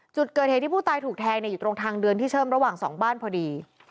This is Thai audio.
จุดเกิดเหตุที่ผู้ตายถูกแทงอยู่ตรงทางเดินที่เชื่อมระหว่างสองบ้านพอดี